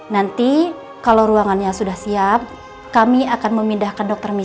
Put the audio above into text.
nanti kalau rupanya dr miesel akan berjalan ke tempat yang lebih baik